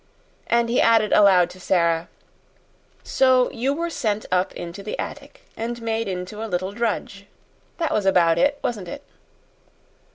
And he added aloud to Sara, "So you were sent up into the attic, and made into a little drudge. That was about it, wasn't it?"